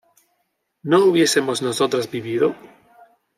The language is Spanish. ¿no hubiésemos nosotras vivido?